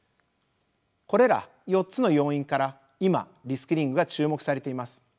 これら４つの要因から今リスキリングが注目されています。